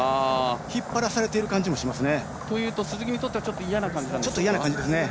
引っ張らされている感じもとすると鈴木にとっては嫌な感じですね。